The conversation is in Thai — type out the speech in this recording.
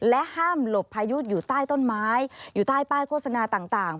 ห้ามหลบพายุอยู่ใต้ต้นไม้อยู่ใต้ป้ายโฆษณาต่าง